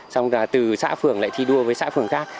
xong là từ xã phường lại thi đua với xã phường khác